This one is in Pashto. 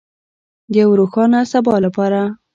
د یو روښانه سبا لپاره.